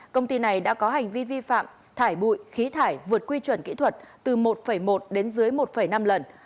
công ty này đã có hành vi vi phạm thải bụi khí thải vượt quy chuẩn kỹ thuật từ một một đến dưới một năm lần